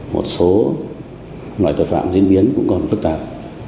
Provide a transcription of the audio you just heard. một số loại tội phạm diễn biến cũng còn phức tạp